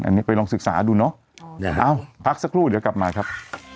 อันนี้ไปลองศึกษาดูเนอะเอ้าพักสักครู่เดี๋ยวกลับมาครับ